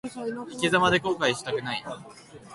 生き様で後悔はしたくない。